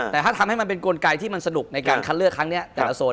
แต่ถ้าทำให้มันเป็นกลไกที่มันสนุกในการคัดเลือกครั้งนี้แต่ละโซน